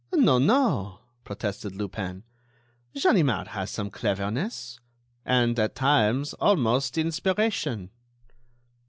"No, no!" protested Lupin. "Ganimard has some cleverness; and, at times, almost inspiration."